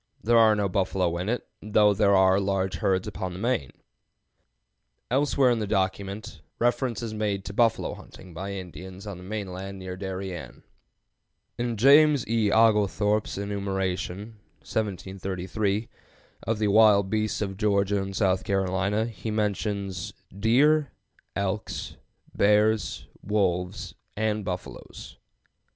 There are no buffalo in it, though there are large herds upon the main." Elsewhere in the same document (p. 122) reference is made to buffalo hunting by Indians on the main land near Darien. In James E. Oglethorpe's enumeration (A. D. 1733) of the wild beasts of Georgia and South Carolina he mentions "deer, elks, bears, wolves, and buffaloes." [Note 10: Ibid., I, p. 51.